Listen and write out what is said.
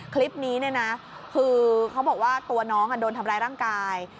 คลิปนี้เนี่ยนะคือเขาบอกว่าตัวน้องโดนทำร้ายร่างกาย